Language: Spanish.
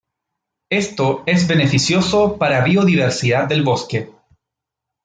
Esto es beneficioso para biodiversidad del bosque.